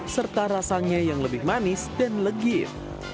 serta rasanya yang lebih manis dan legit